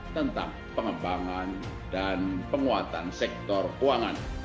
tentang pengembangan dan penguatan sektor keuangan